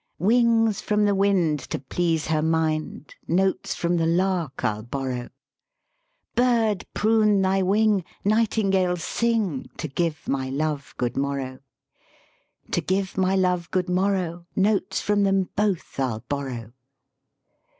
Wings from the wind to please her mind Notes from the lark I'll borrow; Bird, prune thy wing, nightingale sing, To give my Love good morrow; To give my Love good morrow Notes from them both I'll borrow.